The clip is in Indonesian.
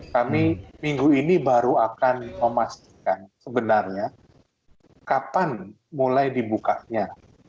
kami minggu ini baru akan memastikan sebenarnya kapan mulai dibukanya